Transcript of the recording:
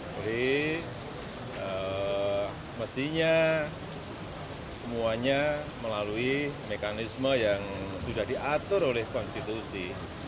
jadi mestinya semuanya melalui mekanisme yang sudah diatur oleh konstitusi